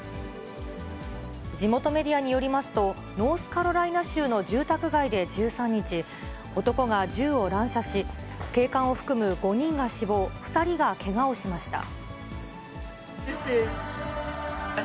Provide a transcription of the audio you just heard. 地元メディアによりますと、ノースカロライナ州の住宅街で１３日、男が銃を乱射し、警官を含む５人が死亡、２人がけがをしました。